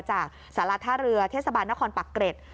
จากสารท่าเรือเทศบาลนครปักเกร็ด